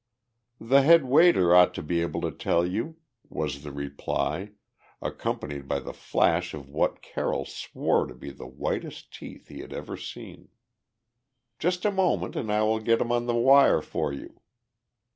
"The head waiter ought to be able to tell you," was the reply, accompanied by the flash of what Carroll swore to be the whitest teeth he had ever seen. "Just a moment and I will get him on the wire for you."